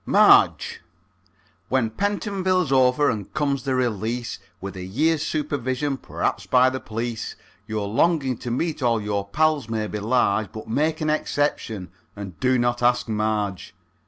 MARGE. When Pentonville's over and comes the release, With a year's supervision perhaps by the p'lice, Your longing to meet all your pals may be large, But make an exception, and do not ask Marge.